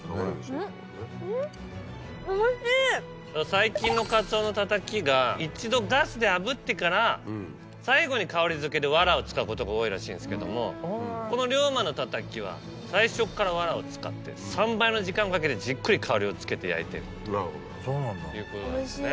最近のカツオのタタキが一度ガスであぶってから最後に香りづけで藁を使うことが多いらしいんですけどもこの龍馬のタタキは最初っから藁を使って３倍の時間をかけてじっくり香りをつけて焼いてるということなんですよね。